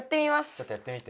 ちょっとやってみて。